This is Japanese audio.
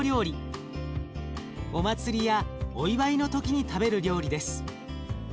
お祭りやお祝いの時に食べる料理です。